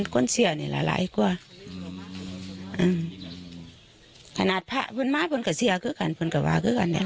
เขาทามีทาครับว่าพ่อไหวคงเป็นยังกว่า